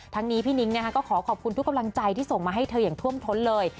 นี้พี่นิ้งก็ขอขอบคุณทุกกำลังใจที่ส่งมาให้เธออย่างท่วมท้นเลย